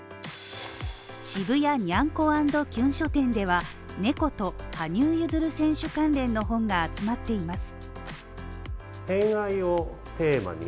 渋谷にゃんこ＆きゅん書店では、猫と羽生結弦選手関連の本が集まっています。